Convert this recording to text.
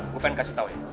gue pengen kasih tau ya